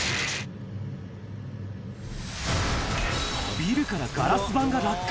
ビルからガラス板が落下。